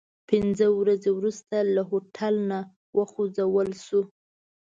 پنځه ورځې وروسته له هوټل نه وخوځول شوو.